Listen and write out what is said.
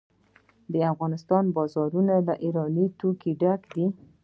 د افغانستان بازارونه له ایراني توکو ډک دي.